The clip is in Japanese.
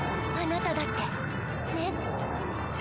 あなただってねぇ。